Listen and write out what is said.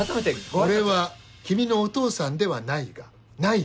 俺は君のお父さんではないがないが。